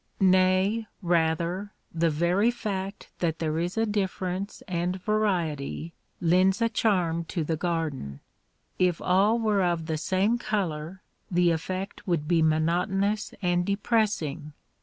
Nay, rather, the very fact that there is difference and variety lends a charm to the garden. If all were of the same color the effect would be monotonous and depressing.